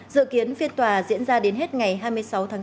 dự kiến phiên tòa diễn ra đến hết ngày hai mươi sáu tháng bốn